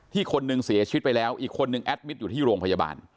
อีกคนนึงเสียชีวิตไปแล้วอีกคนนึงแอดมิตรอยู่ที่โรงพยาบาล